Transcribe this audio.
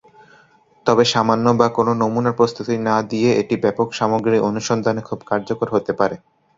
তবে সামান্য বা কোনও নমুনা প্রস্তুতি না দিয়ে এটি ব্যাপক সামগ্রীর অনুসন্ধানে খুব কার্যকর হতে পারে।